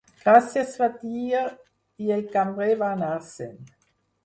"Gràcies" va dir i el cambrer va anar-se'n.